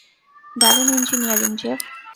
দারুণ engineering, Jeff.